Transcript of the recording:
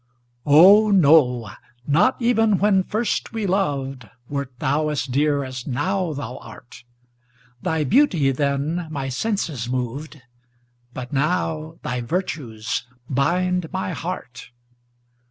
Oh, no not even when first we loved, Wert thou as dear as now thou art; Thy beauty then my senses moved, But now thy virtues bind my heart.